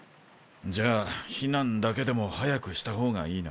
じゃあ避難だけでも早くした方がいいな。